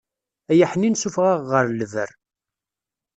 Ay aḥnin sufeɣ-aɣ ɣer lber.